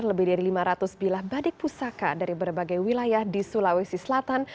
lebih dari lima ratus bilah badik pusaka dari berbagai wilayah di sulawesi selatan